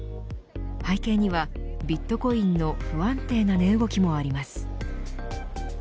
背景にはビットコインの不安定な値動きもあります。